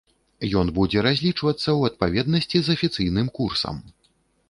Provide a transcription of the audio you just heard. Ён будзе разлічвацца ў адпаведнасці з афіцыйным курсам.